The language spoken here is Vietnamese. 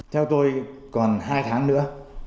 theo tôi còn hai tháng nữa